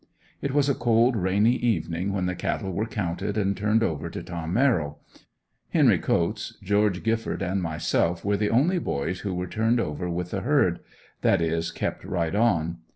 It was a cold, rainy evening when the cattle were counted and turned over to Tom Merril. Henry Coats, Geo. Gifford and myself were the only boys who were turned over with the herd that is kept right on.